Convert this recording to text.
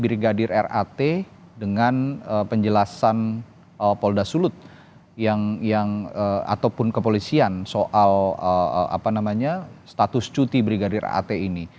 brigadir rat dengan penjelasan polda sulut yang yang ataupun kepolisian soal apa namanya status cuti brigadir rat ini